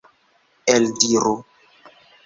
Eldiru!